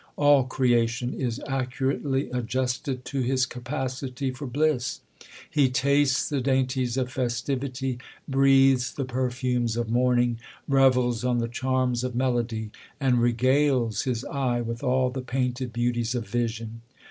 All creation is accurately adjusted to his capacity tot bliss. He tastes the dainties of festivity, breathes the Derfumes of morning, revels on the charms of melody, and regales his eye with all the painted beauties of vision.